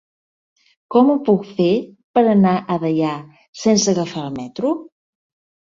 Com ho puc fer per anar a Deià sense agafar el metro?